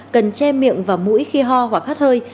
cần che miệng và mũi khi ho hoặc hát hơi